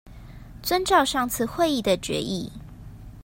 遵照上次會議的決議